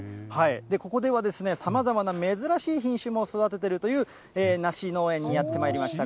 ここではさまざまな珍しい品種も育てているという梨農園にやってまいりました。